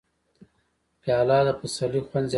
پیاله د پسرلي خوند زیاتوي.